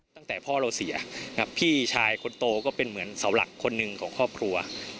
ตั้งแต่พ่อเราเสียพี่ชายคนโตก็เป็นเหมือนเสาหลักคนหนึ่งของครอบครัว